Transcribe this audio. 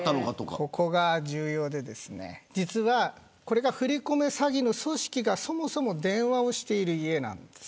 ここが重要で、実はこれが振り込め詐欺の組織がそもそも電話をしている家なんです。